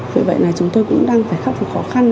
vì vậy là chúng tôi cũng đang phải khắc phục khó khăn